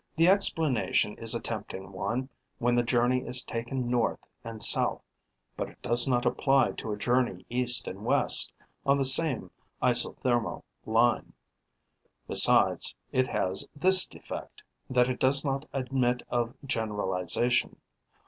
The explanation is a tempting one when the journey is taken north and south; but it does not apply to a journey east and west, on the same isothermal line. Besides, it has this defect, that it does not admit of generalization.